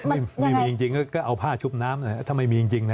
ไม่มีจริงก็เอาผ้าชุบน้ำถ้าไม่มีจริงนะ